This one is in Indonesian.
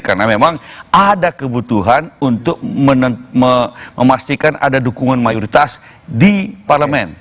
karena memang ada kebutuhan untuk memastikan ada dukungan mayoritas di parlement